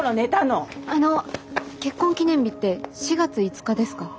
あの結婚記念日って４月５日ですか？